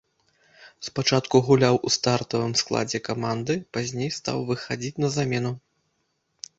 Спачатку гуляў у стартавым складзе каманды, пазней стаў выхадзіць на замену.